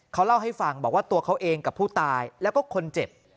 เขาเล่าให้ฟังบอกว่าตัวเขาเองกับผู้ตายแล้วก็คนเจ็บ